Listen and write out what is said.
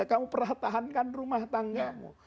kamu perlahan tahankan rumah tanggamu